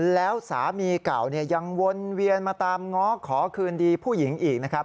แล้วสามีเก่าเนี่ยยังวนเวียนมาตามง้อขอคืนดีผู้หญิงอีกนะครับ